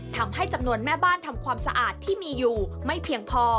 ทำให้จำนวนแม่บ้านทำความสะอาดที่มีอยู่ไม่เพียงพอ